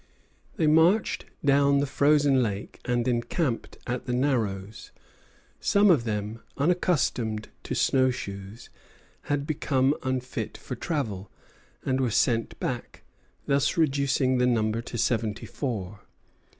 They marched down the frozen lake and encamped at the Narrows. Some of them, unaccustomed to snow shoes, had become unfit for travel, and were sent back, thus reducing the number to seventy four.